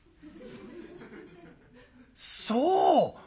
「そう！